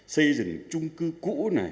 xây dựng chung cư cũ